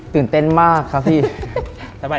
ตื่นเต้นมากครับพี่